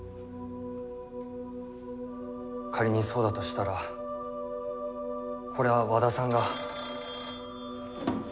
仮にそうだとしたらこれは和田さんが。